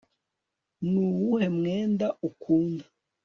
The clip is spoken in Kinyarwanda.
nuwuhe mwenda ukunda